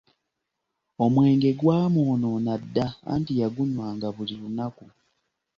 Omwenge gwamwonoona dda, anti yagunywanga buli lunaku.